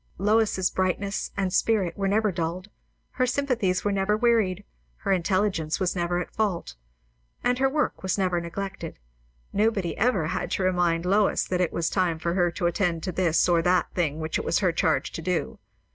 Lois's brightness and spirit were never dulled; her sympathies were never wearied; her intelligence was never at fault. And her work was never neglected. Nobody had ever to remind Lois that it was time for her to attend to this or that thing which it was her charge to do.